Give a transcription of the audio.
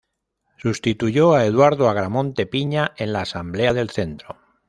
Sustituyó a Eduardo Agramonte Piña en la Asamblea del Centro.